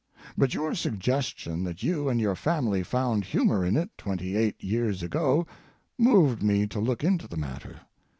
But your suggestion that you and your family found humor in it twenty eight years ago moved me to look into the matter.